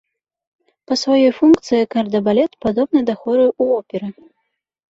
Па сваёй функцыі кардэбалет падобны да хору ў оперы.